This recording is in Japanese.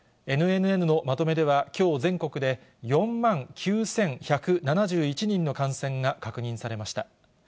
ＮＮＮのまとめでは、きょう全国で４万９１７１人の感染が確認されました。